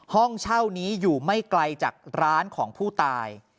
ห้องเช่านี้อยู่ไม่ไกลจากร้านของผู้ตาย